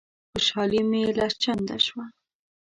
خوشالي مي لس چنده شوه.